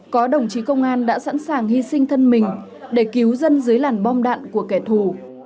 có đồng chí công an đã sẵn sàng hy sinh thân mình để cứu dân dưới làn bom đạn của kẻ thù